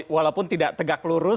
walaupun tidak tegak lurus